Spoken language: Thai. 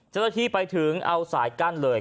เจ้าหน้าที่ไปถึงเอาสายกั้นเลย